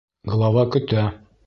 Глава көтә.